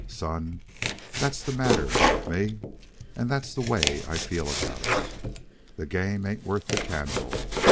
Son, that's that's the matter with me, and that's the way I feel about it. The game ain't worth the candle.